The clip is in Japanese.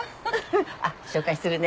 あっ紹介するね。